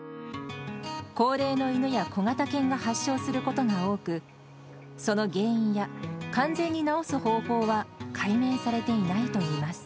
高齢の犬や小型犬が発症することが多く、その原因や、完全に治す方法は解明されていないといいます。